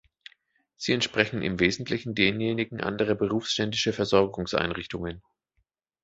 Sie entsprechen im Wesentlichen denjenigen anderer berufsständischer Versorgungseinrichtungen.